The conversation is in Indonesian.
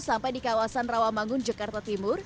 sampai di kawasan rawamangun jakarta timur